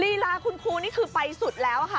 ลีลาคุณครูนี่คือไปสุดแล้วค่ะ